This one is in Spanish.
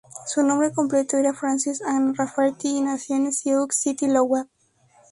Su nombre completo era Frances Anne Rafferty, y nació en Sioux City, Iowa.